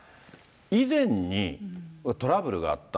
以前にトラブルがあった、